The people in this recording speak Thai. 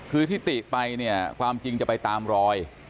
คือที่ติไปเนี่ยความจริงจะไปตามรอย